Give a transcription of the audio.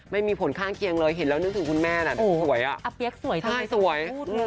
ไม่มีผลข้างเคียงเลยเห็นแล้วนึกถึงคุณแม่น่ะสวยอ่ะอาเปี๊ยกสวยใช่ไหมใช่สวย